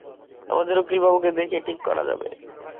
আমাদের উকিলবাবুকে দেখিয়ে ঠিক করা যাবে।